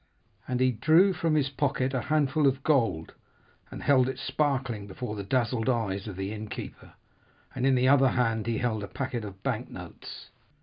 And he drew from his pocket a handful of gold, and held it sparkling before the dazzled eyes of the innkeeper, and in the other hand he held a packet of bank notes.